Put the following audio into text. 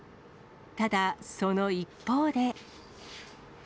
ただ、その一方で。